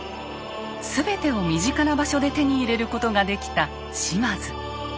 全てを身近な場所で手に入れることができた島津。